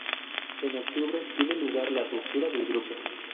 En octubre tiene lugar la ruptura del grupo.